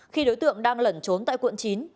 khi đối tượng đang lẩn trốn tại quận chín